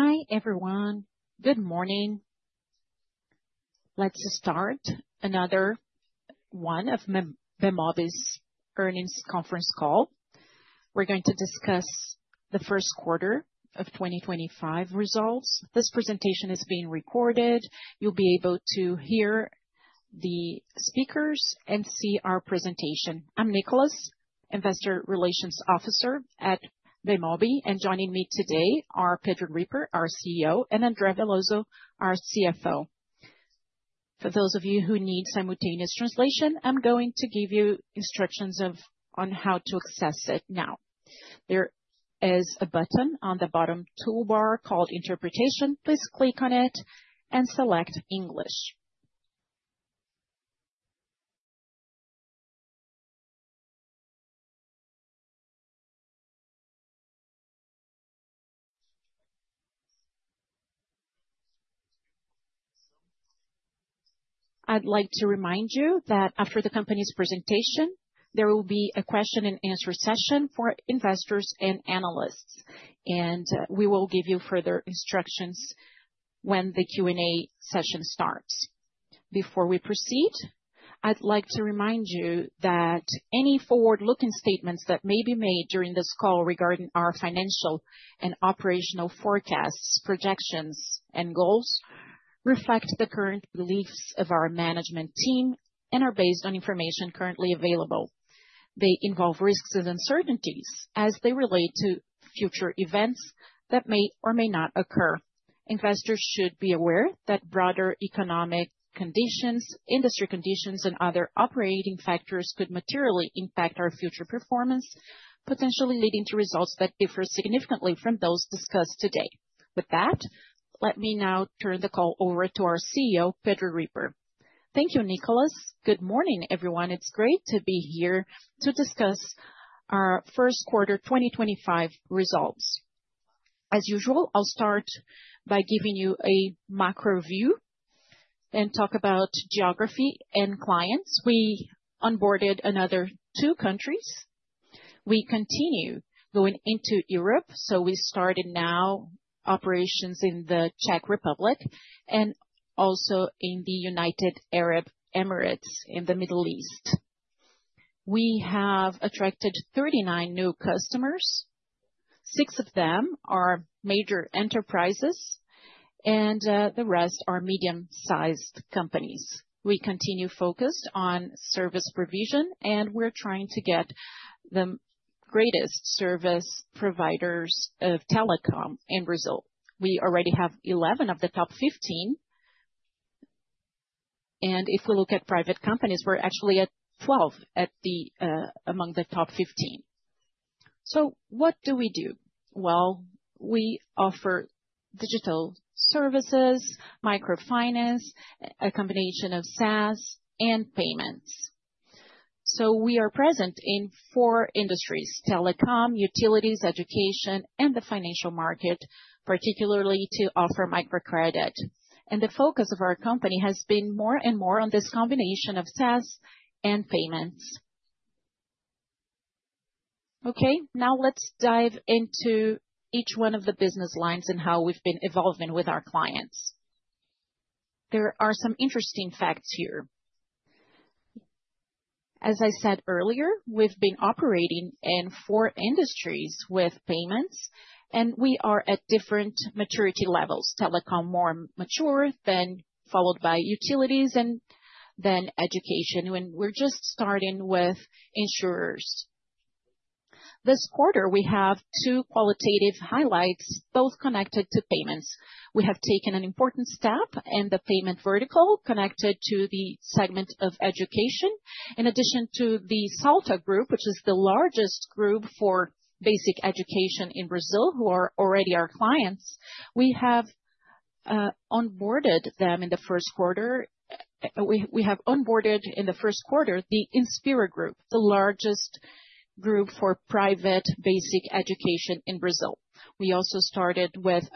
Hi everyone, Good morning. Let's start another one of Bemobi's earnings conference calls. We're going to discuss the first quarter of 2025 results. This presentation is being recorded. You'll be able to hear the speakers and see our presentation. I'm Nicholas, Investor Relations Officer at Bemobi, and joining me today are Pedro Ripper, our CEO, and André Veloso, our CFO. For those of you who need simultaneous translation, I'm going to give you instructions on how to access it now. There is a button on the bottom toolbar called Interpretation. Please click on it and select English. I'd like to remind you that after the company's presentation, there will be a Q&A session for investors and analysts, and we will give you further instructions when the Q&A session starts. Before we proceed, I'd like to remind you that any forward-looking statements that may be made during this call regarding our financial and operational forecasts, projections, and goals reflect the current beliefs of our management team and are based on information currently available. They involve risks and uncertainties as they relate to future events that may or may not occur. Investors should be aware that broader economic conditions, industry conditions, and other operating factors could materially impact our future performance, potentially leading to results that differ significantly from those discussed today. With that, let me now turn the call over to our CEO, Pedro Ripper. Thank you, Nicholas. Good morning, everyone. It's great to be here to discuss our first quarter 2025 results. As usual, I'll start by giving you a macro view and talk about geography and clients. We onboarded another two countries. We continue going into Europe, so we started now operations in the Czech Republic and also in the United Arab Emirates in the Middle East. We have attracted 39 new customers. Six of them are major enterprises, and the rest are medium-sized companies. We continue focused on service provision, and we're trying to get the greatest service providers of telecom in Brazil. We already have 11 of the top 15, and if we look at private companies, we're actually at 12 among the top 15. What do we do? We offer digital services, microfinance, a combination of SaaS, and payments. We are present in four industries: telecom, utilities, education, and the financial market, particularly to offer microcredit. The focus of our company has been more and more on this combination of SaaS and payments. Okay, now let's dive into each one of the business lines and how we've been evolving with our clients. There are some interesting facts here. As I said earlier, we've been operating in four industries with payments, and we are at different maturity levels. Telecom, more mature, followed by utilities, and then education. We're just starting with insurers. This quarter, we have two qualitative highlights, both connected to payments. We have taken an important step in the payment vertical, connected to the segment of education. In addition to the Salta Group, which is the largest group for basic education in Brazil, who are already our clients, we have onboarded them in the first quarter. We have onboarded in the first quarter the Inspira Group, the largest group for private basic education in Brazil. We also started with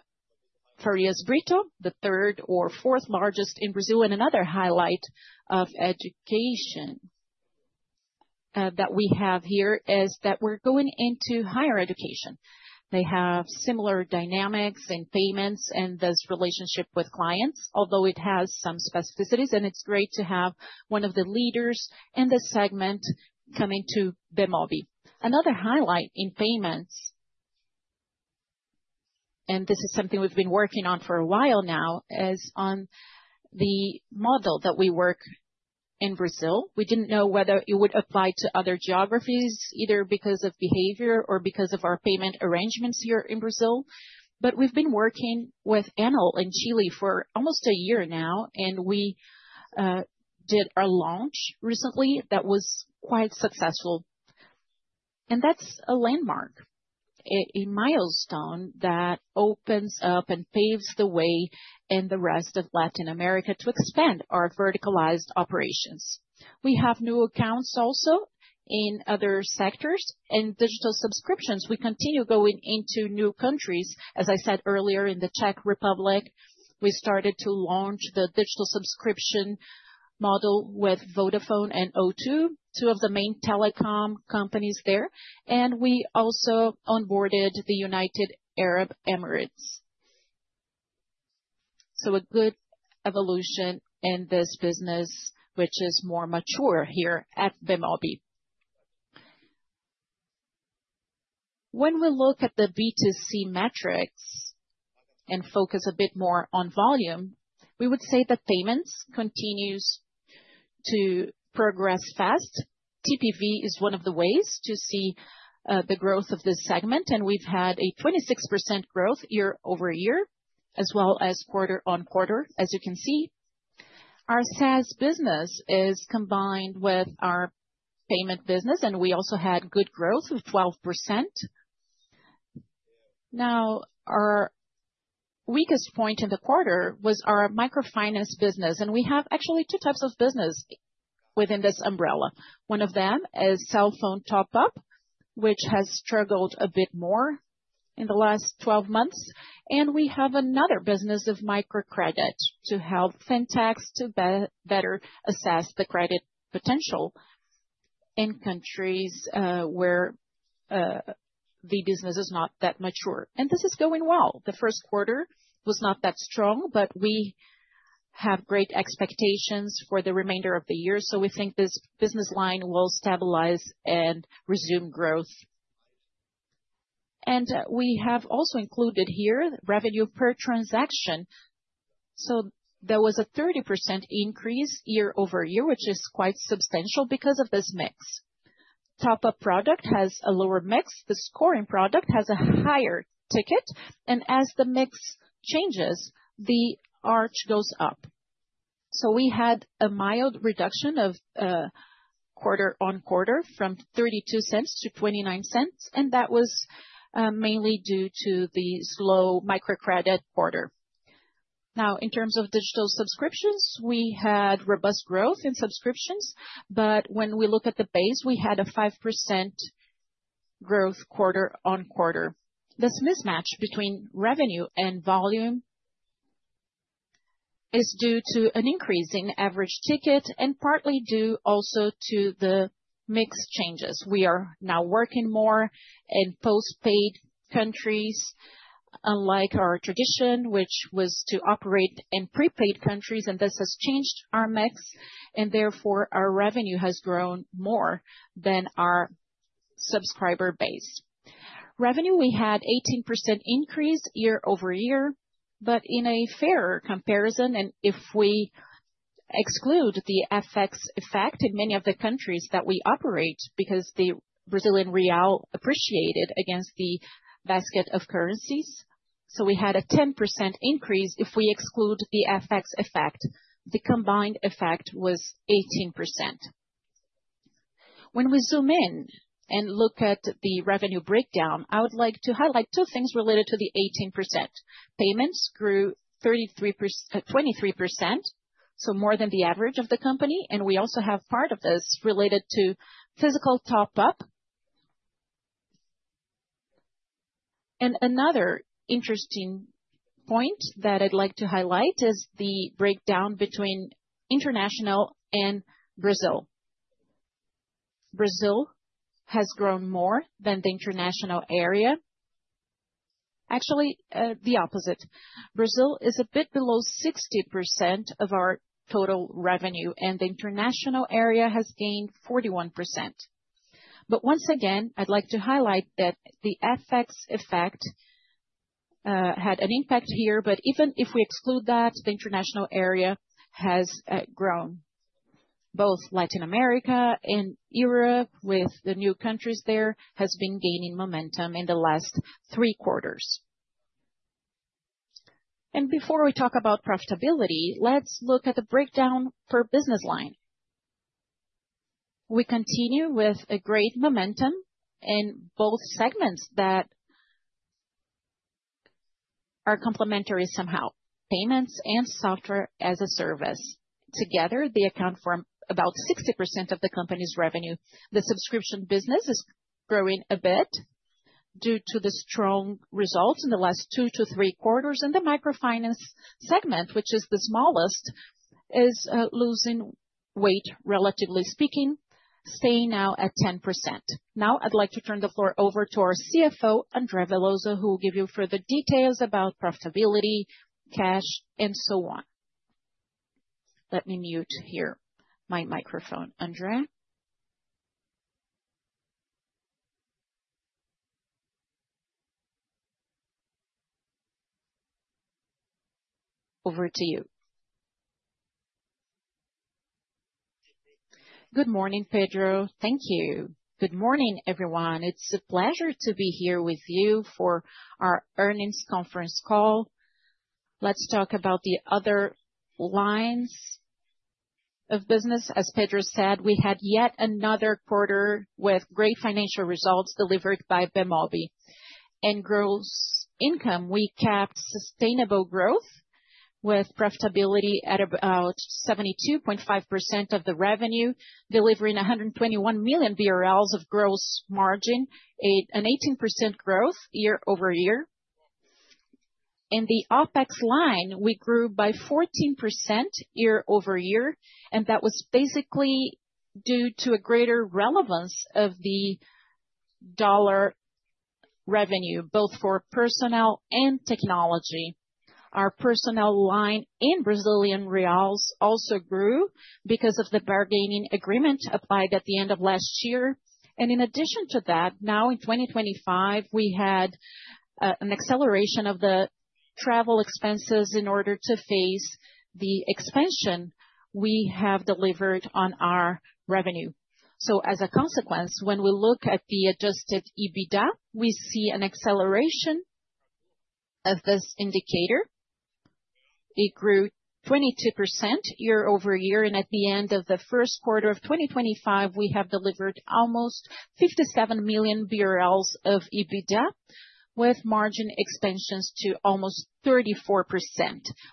Farias Brito, the third or fourth largest in Brazil, and another highlight of education that we have here is that we're going into higher education. They have similar dynamics in payments and this relationship with clients, although it has some specificities, and it's great to have one of the leaders in the segment coming to Bemobi. Another highlight in payments, and this is something we've been working on for a while now, is on the model that we work in Brazil. We didn't know whether it would apply to other geographies, either because of behavior or because of our payment arrangements here in Brazil. We've been working with Enel in Chile for almost a year now, and we did a launch recently that was quite successful. That is a landmark, a milestone that opens up and paves the way in the rest of Latin America to expand our verticalized operations. We have new accounts also in other sectors and digital subscriptions. We continue going into new countries. As I said earlier, in the Czech Republic, we started to launch the digital subscription model with Vodafone and O2, two of the main telecom companies there. We also onboarded the United Arab Emirates. A good evolution in this business, which is more mature here at Bemobi. When we look at the B2C metrics and focus a bit more on volume, we would say that payments continue to progress fast. TPV is one of the ways to see the growth of this segment, and we have had a 26% growth year-over-year, as well as quarter-on-quarter, as you can see. Our SaaS business is combined with our payment business, and we also had good growth of 12%. Now, our weakest point in the quarter was our microfinance business, and we have actually two types of business within this umbrella. One of them is cell phone top-up, which has struggled a bit more in the last 12 months. We have another business of microcredit to help fintechs to better assess the credit potential in countries where the business is not that mature. This is going well. The first quarter was not that strong, but we have great expectations for the remainder of the year. We think this business line will stabilize and resume growth. We have also included here revenue per transaction. There was a 30% increase year-over-year, which is quite substantial because of this mix. Top-up product has a lower mix. The scoring product has a higher ticket. As the mix changes, the arch goes up. We had a mild reduction quarter- on-quarter from $0.32-$0.29, and that was mainly due to the slow microcredit quarter. In terms of digital subscriptions, we had robust growth in subscriptions, but when we look at the base, we had a 5% growth quarter-on-quarter. This mismatch between revenue and volume is due to an increase in average ticket and partly due also to the mix changes. We are now working more in postpaid countries, unlike our tradition, which was to operate in prepaid countries, and this has changed our mix, and therefore our revenue has grown more than our subscriber base. Revenue, we had an 18% increase year-over-year, but in a fairer comparison, and if we exclude the FX effect in many of the countries that we operate because the Brazilian real appreciated against the basket of currencies, we had a 10% increase if we exclude the FX effect. The combined effect was 18%. When we zoom in and look at the revenue breakdown, I would like to highlight two things related to the 18%. Payments grew 23%, so more than the average of the company, and we also have part of this related to physical top-up. Another interesting point that I would like to highlight is the breakdown between international and Brazil. Brazil has grown more than the international area. Actually, the opposite. Brazil is a bit below 60% of our total revenue, and the international area has gained 41%. Once again, I'd like to highlight that the FX effect had an impact here, but even if we exclude that, the international area has grown. Both Latin America and Europe, with the new countries there, have been gaining momentum in the last three quarters. Before we talk about profitability, let's look at the breakdown per business line. We continue with a great momentum in both segments that are complementary somehow: payments and software as a service. Together, they account for about 60% of the company's revenue. The subscription business is growing a bit due to the strong results in the last two to three quarters, and the microfinance segment, which is the smallest, is losing weight, relatively speaking, staying now at 10%. Now, I'd like to turn the floor over to our CFO, Andrea Veloso, who will give you further details about profitability, cash, and so on. Let me mute here my microphone. Andrea, over to you. Good morning, Pedro. Thank you. Good morning, everyone. It's a pleasure to be here with you for our earnings conference call. Let's talk about the other lines of business. As Pedro said, we had yet another quarter with great financial results delivered by Bemobi. In gross income, we kept sustainable growth with profitability at about 72.5% of the revenue, delivering 121 million BRL of gross margin, an 18% growth year-over-year. In the OpEx line, we grew by 14% year-over-year, and that was basically due to a greater relevance of the dollar revenue, both for personnel and technology. Our personnel line in Brazilian reals also grew because of the bargaining agreement applied at the end of last year. In addition to that, now in 2025, we had an acceleration of the travel expenses in order to face the expansion we have delivered on our revenue. As a consequence, when we look at the adjusted EBITDA, we see an acceleration of this indicator. It grew 22% year-over-year, and at the end of the first quarter of 2025, we have delivered almost 57 million BRL of EBITDA, with margin expansions to almost 34%.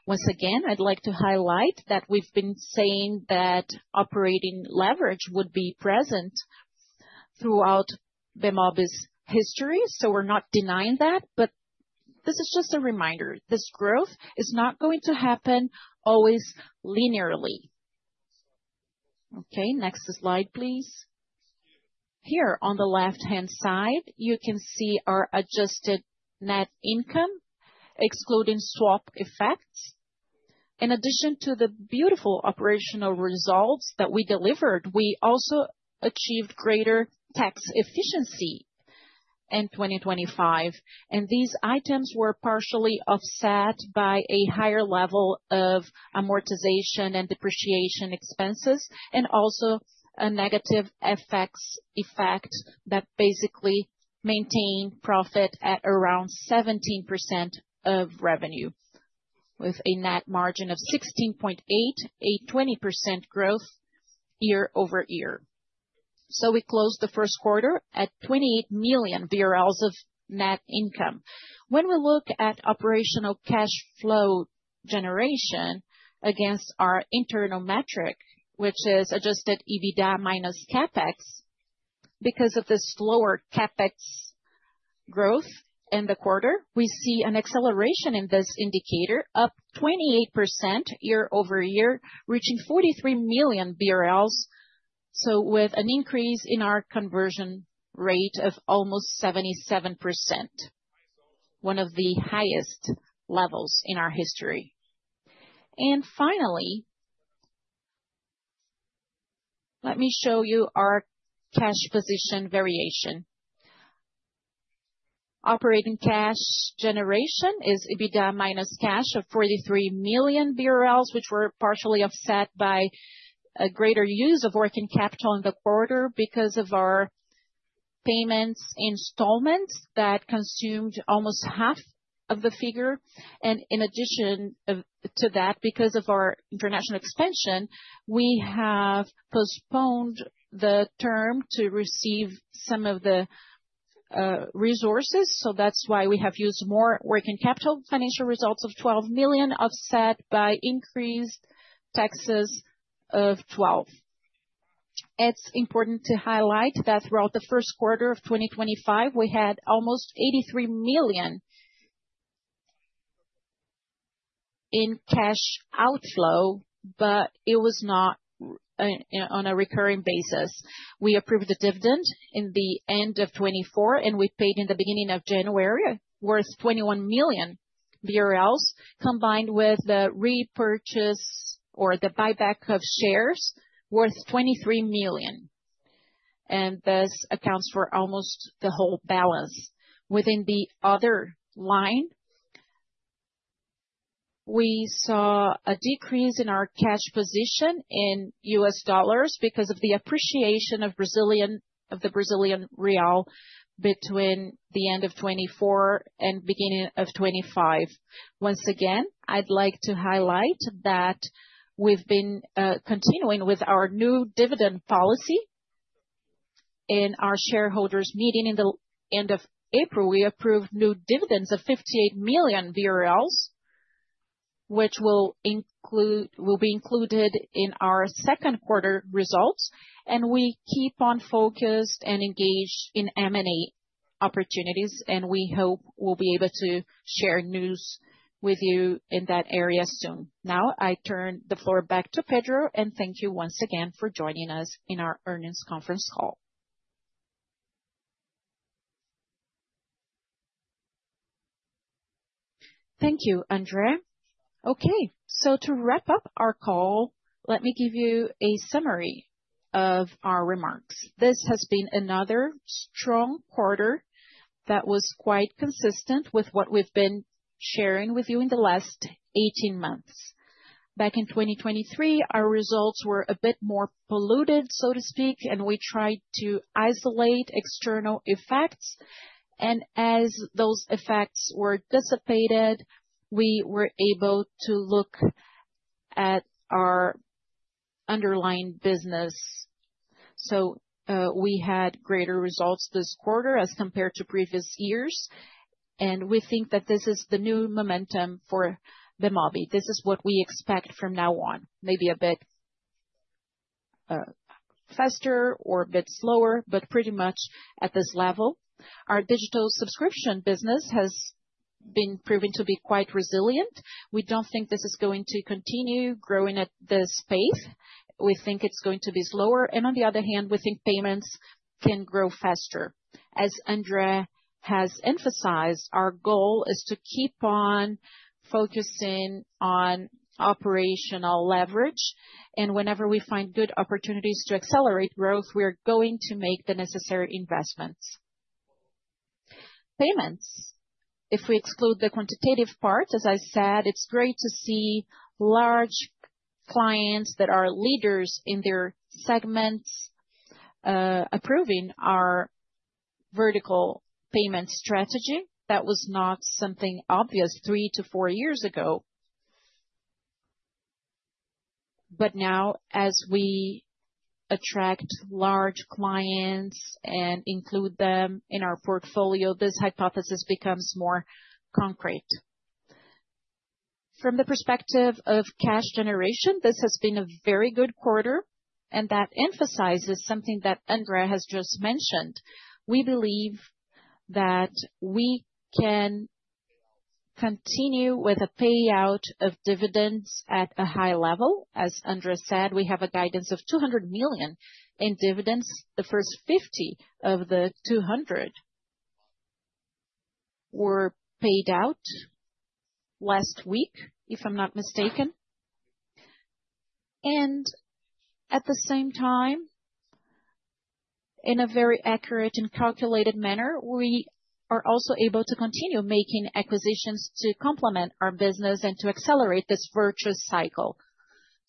Once again, I'd like to highlight that we've been saying that operating leverage would be present throughout Bemobi's history, so we're not denying that, but this is just a reminder. This growth is not going to happen always linearly. Okay, next slide, please. Here on the left-hand side, you can see our adjusted net income, excluding swap effects. In addition to the beautiful operational results that we delivered, we also achieved greater tax efficiency in 2025. These items were partially offset by a higher level of amortization and depreciation expenses, and also a negative FX effect that basically maintained profit at around 17% of revenue, with a net margin of 16.8%, a 20% growth year-over-year. We closed the first quarter at 28 million BRL of net income. When we look at operational cash flow generation against our internal metric, which is adjusted EBITDA minus CapEx, because of this lower CapEx growth in the quarter, we see an acceleration in this indicator, up 28% year-over-year, reaching 43 million BRL, with an increase in our conversion rate of almost 77%, one of the highest levels in our history. Finally, let me show you our cash position variation. Operating cash generation is EBITDA minus cash of 43 million BRL, which were partially offset by a greater use of working capital in the quarter because of our payments installments that consumed almost half of the figure. In addition to that, because of our international expansion, we have postponed the term to receive some of the resources, so that's why we have used more working capital. Financial results of 12 million offset by increased taxes of 12 million. It's important to highlight that throughout the first quarter of 2025, we had almost 83 million in cash outflow, but it was not on a recurring basis. We approved the dividend in the end of 2024, and we paid in the beginning of January, worth 21 million BRL, combined with the repurchase or the buyback of shares, worth 23 million. This accounts for almost the whole balance. Within the other line, we saw a decrease in our cash position in U.S. dollars because of the appreciation of the Brazilian real between the end of 2024 and beginning of 2025. Once again, I'd like to highlight that we've been continuing with our new dividend policy. In our shareholders' meeting in the end of April, we approved new dividends of 58 million BRL, which will be included in our second quarter results. We keep on focused and engaged in M&A opportunities, and we hope we'll be able to share news with you in that area soon. Now, I turn the floor back to Pedro and thank you once again for joining us in our earnings conference call. Thank you, Andrea. Okay, to wrap up our call, let me give you a summary of our remarks. This has been another strong quarter that was quite consistent with what we've been sharing with you in the last 18 months. Back in 2023, our results were a bit more polluted, so to speak, and we tried to isolate external effects. As those effects were dissipated, we were able to look at our underlying business. We had greater results this quarter as compared to previous years. We think that this is the new momentum for Bemobi. This is what we expect from now on, maybe a bit faster or a bit slower, but pretty much at this level. Our digital subscription business has been proven to be quite resilient. We don't think this is going to continue growing at this pace. We think it's going to be slower. On the other hand, we think payments can grow faster. As Andrea has emphasized, our goal is to keep on focusing on operational leverage. Whenever we find good opportunities to accelerate growth, we're going to make the necessary investments. Payments, if we exclude the quantitative part, as I said, it's great to see large clients that are leaders in their segments approving our vertical payment strategy. That was not something obvious three to four years ago. Now, as we attract large clients and include them in our portfolio, this hypothesis becomes more concrete. From the perspective of cash generation, this has been a very good quarter, and that emphasizes something that Andrea has just mentioned. We believe that we can continue with a payout of dividends at a high level. As Andrea said, we have a guidance of 200 million in dividends. The first 50 million of the 200 million were paid out last week, if I'm not mistaken. At the same time, in a very accurate and calculated manner, we are also able to continue making acquisitions to complement our business and to accelerate this virtuous cycle.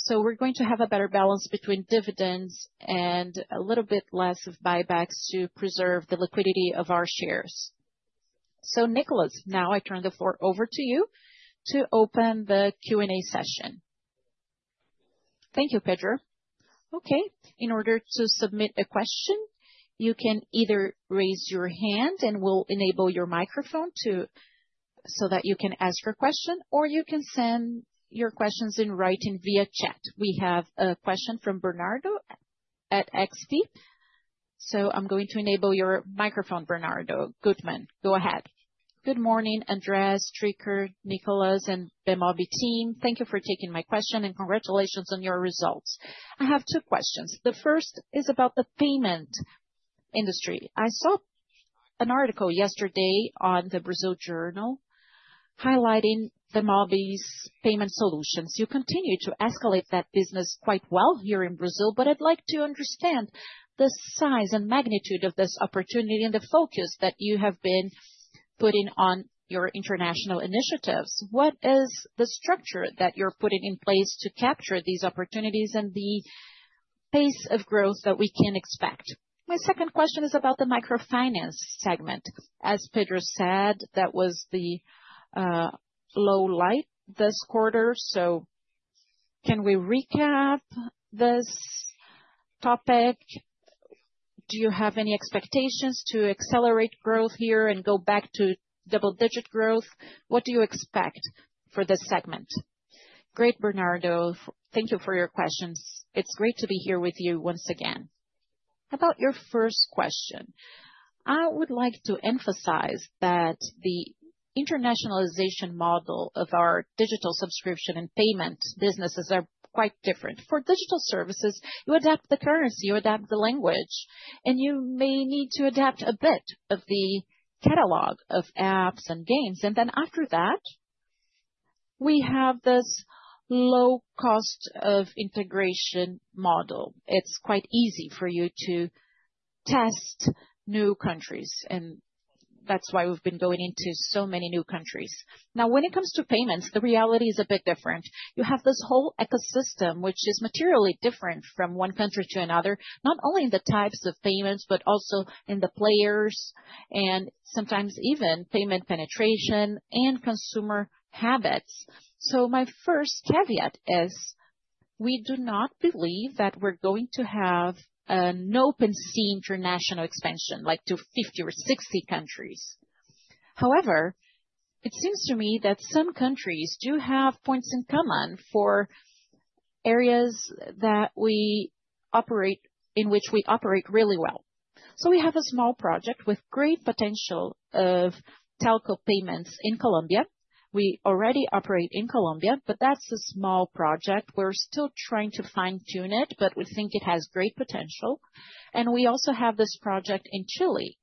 We are going to have a better balance between dividends and a little bit less of buybacks to preserve the liquidity of our shares. Nicolas, now I turn the floor over to you to open the Q&A session. Thank you, Pedro. Okay, in order to submit a question, you can either raise your hand, and we will enable your microphone so that you can ask your question, or you can send your questions in writing via chat. We have a question from Bernardo at XP. I am going to enable your microphone, Bernardo. Go ahead. Good morning, Andrea, Stricker, Nicolas, and Bemobi team. Thank you for taking my question, and congratulations on your results. I have two questions. The first is about the payment industry. I saw an article yesterday on the Brazil Journal highlighting Bemobi's payment solutions. You continue to escalate that business quite well here in Brazil, but I'd like to understand the size and magnitude of this opportunity and the focus that you have been putting on your international initiatives. What is the structure that you're putting in place to capture these opportunities and the pace of growth that we can expect? My second question is about the microfinance segment. As Pedro said, that was the low light this quarter. Can we recap this topic? Do you have any expectations to accelerate growth here and go back to double-digit growth? What do you expect for this segment? Great, Bernardo. Thank you for your questions. It's great to be here with you once again. About your first question, I would like to emphasize that the internationalization model of our digital subscription and payment businesses are quite different. For digital services, you adapt the currency, you adapt the language, and you may need to adapt a bit of the catalog of apps and games. After that, we have this low cost of integration model. It's quite easy for you to test new countries, and that's why we've been going into so many new countries. Now, when it comes to payments, the reality is a bit different. You have this whole ecosystem, which is materially different from one country to another, not only in the types of payments, but also in the players and sometimes even payment penetration and consumer habits. My first caveat is we do not believe that we're going to have an open sea international expansion like to 50 or 60 countries. However, it seems to me that some countries do have points in common for areas that we operate in which we operate really well. We have a small project with great potential of telco payments in Colombia. We already operate in Colombia, but that's a small project. We're still trying to fine-tune it, but we think it has great potential. We also have this project in Chile,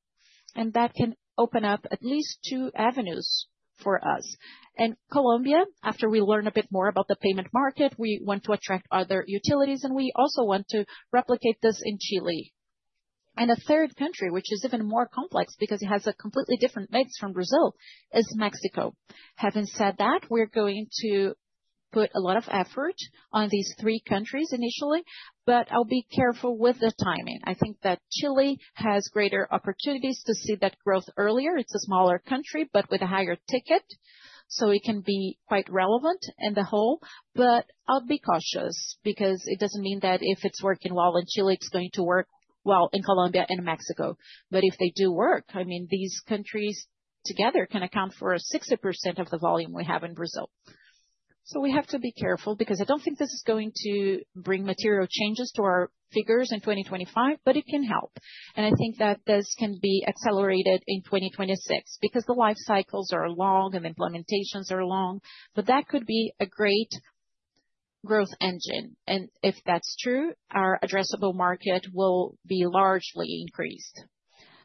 and that can open up at least two avenues for us. In Colombia, after we learn a bit more about the payment market, we want to attract other utilities, and we also want to replicate this in Chile. A third country, which is even more complex because it has a completely different mix from Brazil, is Mexico. Having said that, we're going to put a lot of effort on these three countries initially, but I'll be careful with the timing. I think that Chile has greater opportunities to see that growth earlier. It's a smaller country, but with a higher ticket, so it can be quite relevant in the whole. I'll be cautious because it doesn't mean that if it's working well in Chile, it's going to work well in Colombia and Mexico. If they do work, I mean, these countries together can account for 60% of the volume we have in Brazil. We have to be careful because I don't think this is going to bring material changes to our figures in 2025, but it can help. I think that this can be accelerated in 2026 because the life cycles are long and the implementations are long, but that could be a great growth engine. If that's true, our addressable market will be largely increased.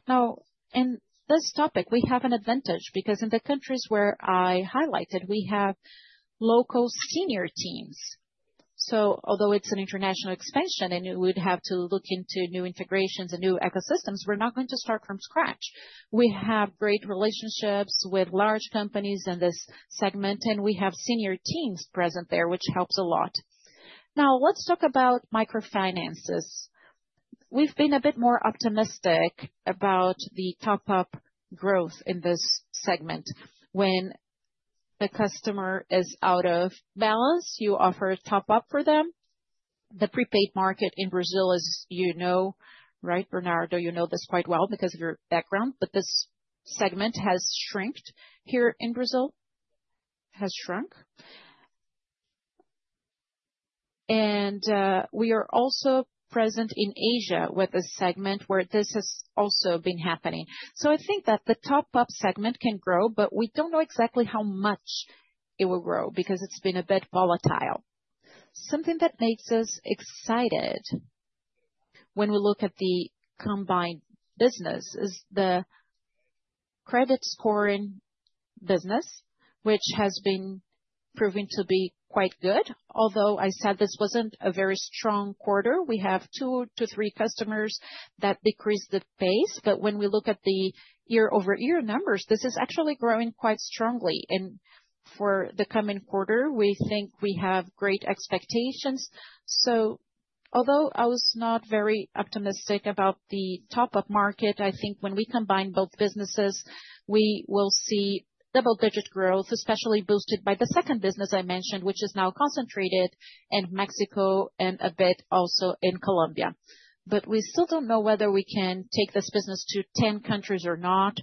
Now, in this topic, we have an advantage because in the countries where I highlighted, we have local senior teams. Although it's an international expansion and we'd have to look into new integrations and new ecosystems, we're not going to start from scratch. We have great relationships with large companies in this segment, and we have senior teams present there, which helps a lot. Now, let's talk about microfinances. We've been a bit more optimistic about the top-up growth in this segment. When the customer is out of balance, you offer top-up for them. The prepaid market in Brazil is, you know, right, Bernardo? You know this quite well because of your background, but this segment has shrunk here in Brazil. Has shrunk. We are also present in Asia with a segment where this has also been happening. I think that the top-up segment can grow, but we do not know exactly how much it will grow because it has been a bit volatile. Something that makes us excited when we look at the combined business is the credit scoring business, which has been proven to be quite good. Although I said this was not a very strong quarter, we have two to three customers that decreased the pace. When we look at the year-over-year numbers, this is actually growing quite strongly. For the coming quarter, we think we have great expectations. Although I was not very optimistic about the top-up market, I think when we combine both businesses, we will see double-digit growth, especially boosted by the second business I mentioned, which is now concentrated in Mexico and a bit also in Colombia. We still do not know whether we can take this business to 10 countries or not.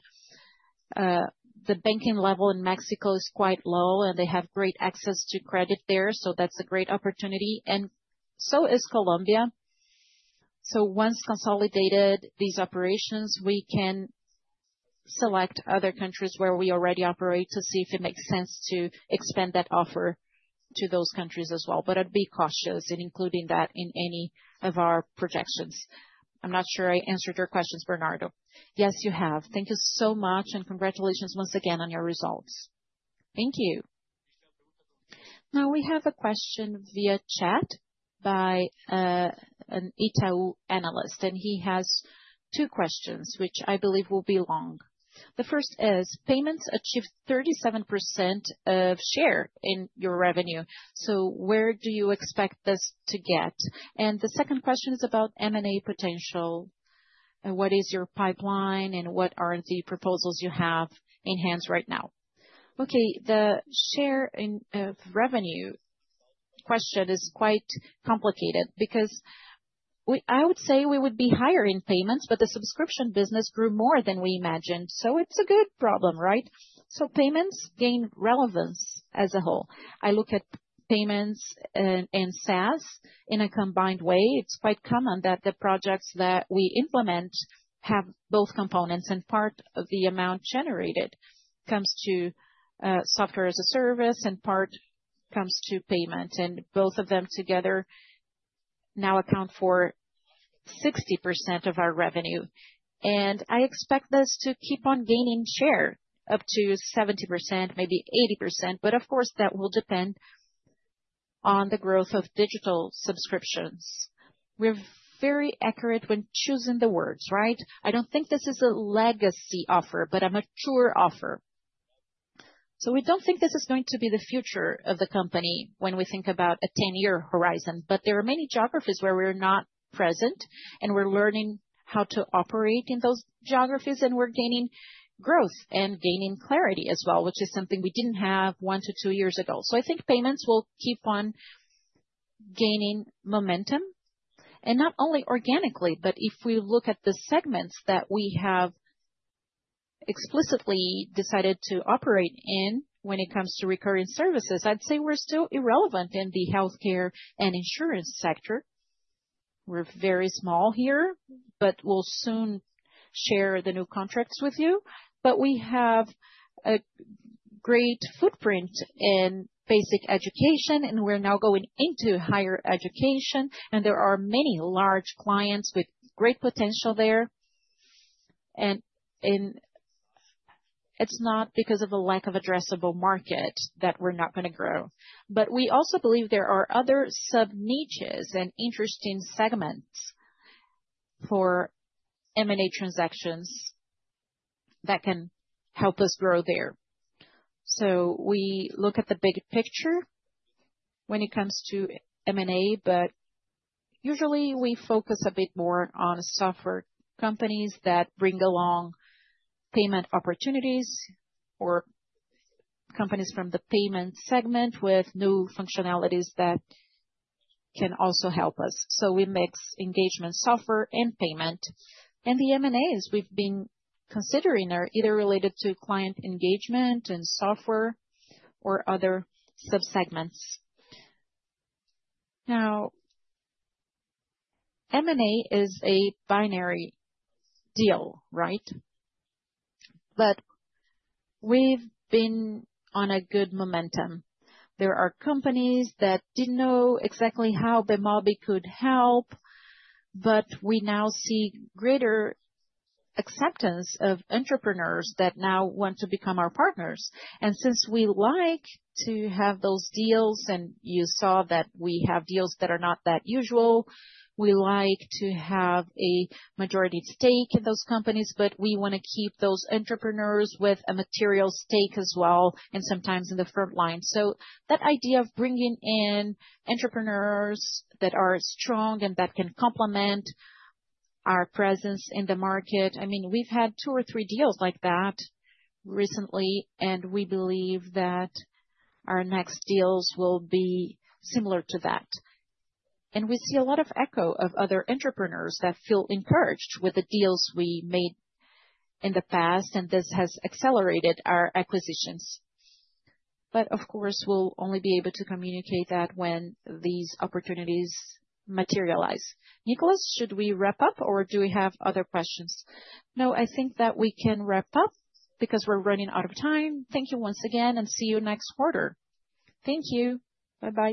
The banking level in Mexico is quite low, and they have great access to credit there, so that is a great opportunity. So is Colombia. Once consolidated, these operations, we can select other countries where we already operate to see if it makes sense to expand that offer to those countries as well. I would be cautious in including that in any of our projections. I am not sure I answered your questions, Bernardo. Yes, you have. Thank you so much and congratulations once again on your results. Thank you. Now, we have a question via chat by an Ita`u analyst, and he has two questions, which I believe will be long. The first is, payments achieve 37% of share in your revenue. Where do you expect this to get? The second question is about M&A potential. What is your pipeline and what are the proposals you have in hand right now? Okay, the share of revenue question is quite complicated because I would say we would be higher in payments, but the subscription business grew more than we imagined. It is a good problem, right? Payments gain relevance as a whole. I look at payments and SaaS in a combined way. It is quite common that the projects that we implement have both components, and part of the amount generated comes to software as a service and part comes to payment. Both of them together now account for 60% of our revenue. I expect this to keep on gaining share up to 70%, maybe 80%, but of course, that will depend on the growth of digital subscriptions. We are very accurate when choosing the words, right? I do not think this is a legacy offer, but a mature offer. We do not think this is going to be the future of the company when we think about a 10-year horizon. There are many geographies where we are not present, and we are learning how to operate in those geographies, and we are gaining growth and gaining clarity as well, which is something we did not have one to two years ago. I think payments will keep on gaining momentum. Not only organically, but if we look at the segments that we have explicitly decided to operate in when it comes to recurring services, I'd say we're still irrelevant in the healthcare and insurance sector. We're very small here, but we'll soon share the new contracts with you. We have a great footprint in basic education, and we're now going into higher education, and there are many large clients with great potential there. It's not because of a lack of addressable market that we're not going to grow. We also believe there are other sub-niches and interesting segments for M&A transactions that can help us grow there. We look at the big picture when it comes to M&A, but usually we focus a bit more on software companies that bring along payment opportunities or companies from the payment segment with new functionalities that can also help us. We mix engagement software and payment. The M&As we've been considering are either related to client engagement and software or other sub-segments. M&A is a binary deal, right? We've been on a good momentum. There are companies that did not know exactly how Bemobi could help, but we now see greater acceptance of entrepreneurs that now want to become our partners. Since we like to have those deals, and you saw that we have deals that are not that usual, we like to have a majority stake in those companies, but we want to keep those entrepreneurs with a material stake as well, and sometimes in the front line. That idea of bringing in entrepreneurs that are strong and that can complement our presence in the market, I mean, we've had two or three deals like that recently, and we believe that our next deals will be similar to that. We see a lot of echo of other entrepreneurs that feel encouraged with the deals we made in the past, and this has accelerated our acquisitions. Of course, we'll only be able to communicate that when these opportunities materialize. Nicolas, should we wrap up or do we have other questions? No, I think that we can wrap up because we're running out of time. Thank you once again, and see you next quarter. Thank you. Bye-bye.